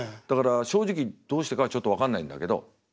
だから正直どうしてかはちょっと分かんないんだけど。